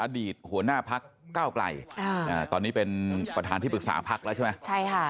อดีตหัวหน้าพักเก้าไกลตอนนี้เป็นประธานที่ปรึกษาพักแล้วใช่ไหมใช่ค่ะ